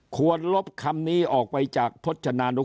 ควรลบคำนี้ออกไปจากพจนาลุคราว